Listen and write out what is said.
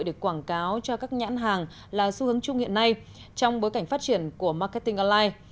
để quảng cáo cho các nhãn hàng là xu hướng chung hiện nay trong bối cảnh phát triển của marketing online